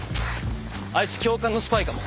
あいつ教官のスパイかも。